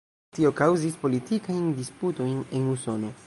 Tio kaŭzis politikajn disputojn en Usono.